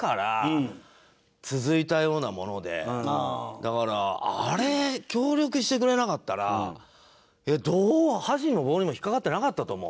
だからあれ協力してくれなかったらどう箸にも棒にも引っかかってなかったと思う。